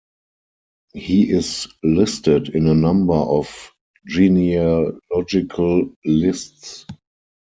He is listed in a number of genealogical lists.